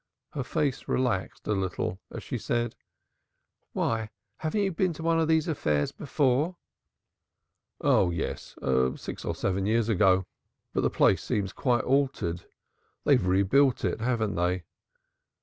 Her face relaxed a little as she said: "Why, haven't you been to one of these affairs before?" "Oh yes, six or seven years ago, but the place seems quite altered. They've rebuilt it, haven't they?